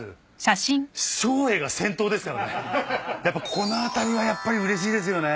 この辺りはやっぱりうれしいですよね。